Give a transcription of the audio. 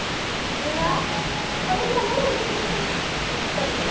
みんな私が免許持ってることに感謝して！